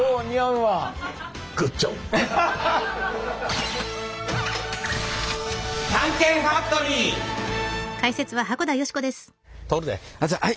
はい。